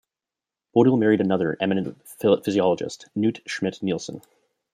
Bodil married another eminent physiologist, Knut Schmidt-Nielsen.